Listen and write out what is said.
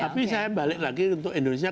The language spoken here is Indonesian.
tapi saya balik lagi untuk indonesia